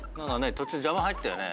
途中邪魔入ったよね。